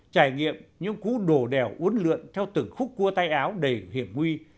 trải nghiệm những cú đổ đèo uốn lượn theo từng khúc cua tay áo đầy hiểm nguy